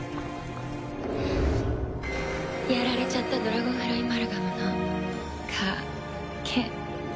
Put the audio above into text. やられちゃったドラゴンフライマルガムのかけら。